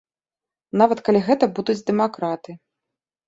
Нават калі гэта будуць дэмакраты.